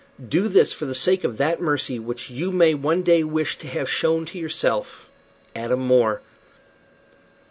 Do this for the sake of that mercy which you may one day wish to have shown to yourself. "ADAM MORE."